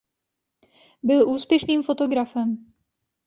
Byl úspěšným fotografem.